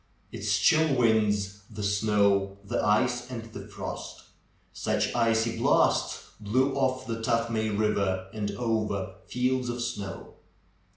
Its chill winds, the snow, the ice, and the frost ! Such icy blasts blew off the Tuthmay Eiver and over fields of snow.